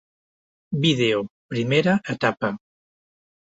Vídeo: primera etapa.